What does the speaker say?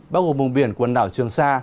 bao gồm vùng biển quần đảo trường sa